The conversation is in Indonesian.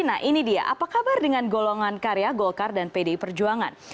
nah ini dia apa kabar dengan golongan karya golkar dan pdi perjuangan